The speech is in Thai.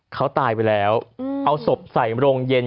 เขาตายไปแล้วเอาศพใส่โรงเย็น